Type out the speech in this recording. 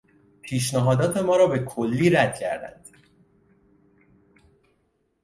پیشنهادات ما را به کلی رد کردند.